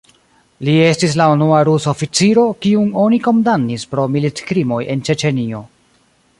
Li estis la unua rusa oficiro, kiun oni kondamnis pro militkrimoj en Ĉeĉenio.